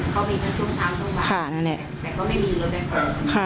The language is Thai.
เขามีทั้งช่วงเช้าช่วงบ่ายค่ะนั่นเนี้ยแต่ก็ไม่มีหรือเปล่า